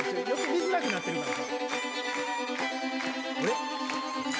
見づらくなってるから。